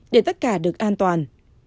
để tất cả được an toàn